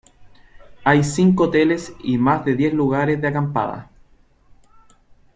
Hay cinco hoteles y más de diez lugares de acampada.